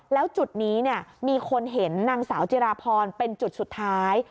แล้วจุดนี้มีคนเห็นนางสาวจิราพรเป็นจุดสุดท้าย